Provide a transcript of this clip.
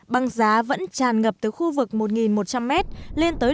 băng giá vẫn tràn ngập từ khu vực một một trăm linh m lên tới